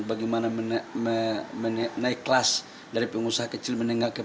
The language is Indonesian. bagaimana menaik kelas dari pengusaha kecil menengah ke bawah